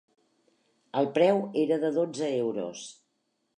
El preu era de dotze euros.